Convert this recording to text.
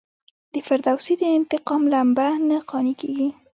د فردوسي د انتقام لمبه نه قانع کیږي.